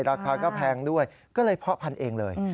ราคาก็แพงด้วยก็เลยเพาะพันธุ์เองเลย